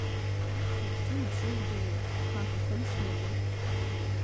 Уахь захьӡу ибжьоу удыруеит, хахахымш ныҟәа…